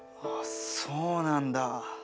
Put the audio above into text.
うわそうなんだ。